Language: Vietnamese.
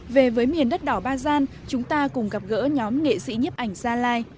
về với miền đất đỏ ba gian chúng ta cùng gặp gỡ nhóm nghệ sĩ nhiếp ảnh gia lai